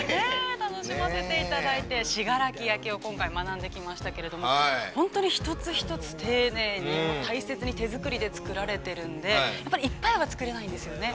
◆楽しませていただいて、信楽焼を今回、学んできましたけれども、本当に一つ一つ丁寧に、大切に手作りで作られているのでいっぱいは作れないんですね。